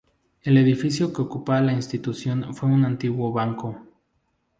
El edificio que ocupa la institución fue un antiguo banco.